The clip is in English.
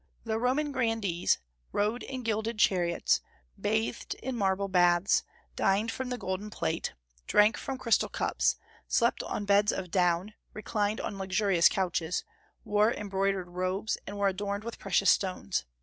The Roman grandees rode in gilded chariots, bathed in marble baths, dined from golden plate, drank from crystal cups, slept on beds of down, reclined on luxurious couches, wore embroidered robes, and were adorned with precious stones.